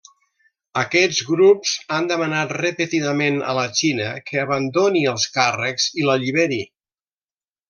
Aquests grups han demanat repetidament a la Xina que abandoni els càrrecs i l'alliberi.